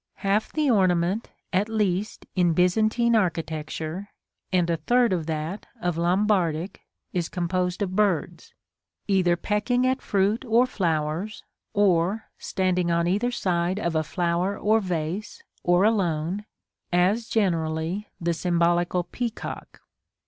Half the ornament, at least, in Byzantine architecture, and a third of that of Lombardic, is composed of birds, either pecking at fruit or flowers, or standing on either side of a flower or vase, or alone, as generally the symbolical peacock.